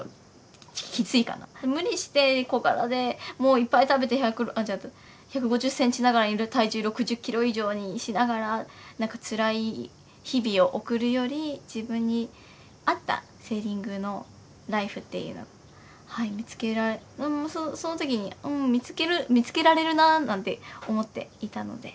無理して小柄でいっぱい食べて１５０センチながらに体重６０キロ以上にしながらつらい日々を送るより自分に合ったセーリングのライフっていうのを見つけられそのときにうん見つけられるななんて思っていたので。